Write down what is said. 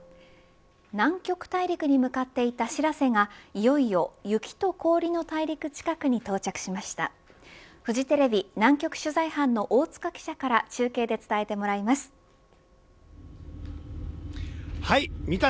南極大陸に向かっていたしらせがいよいよ雪と氷の大陸近くに到着しました。